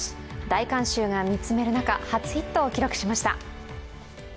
大観衆が見つめる中、初ヒットを記録しました。